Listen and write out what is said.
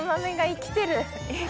生きてる。